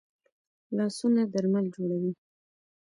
لاسونه درمل جوړوي